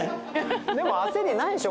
でも焦りないでしょ